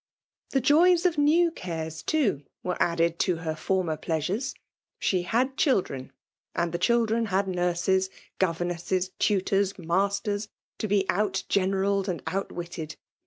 The joys of new cares, too, were added to her former pleasures : she had children ; and the children had nurses, governesses, tutors, masters, to be out generalled and outwitted.